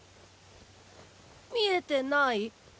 みえてない？